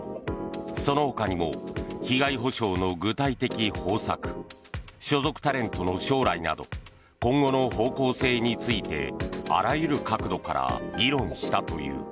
そのほかにも被害補償の具体的方策所属タレントの将来など今後の方向性についてあらゆる角度から議論したという。